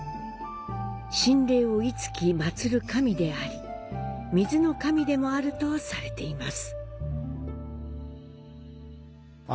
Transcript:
神霊をいつき祭る神であり、水の神でもあるとされています。